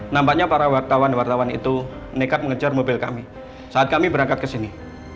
nampaknya para wartawan wartawan itu nekat mengejar mobil kami saat kami berangkat ke sini